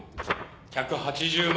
１８０万。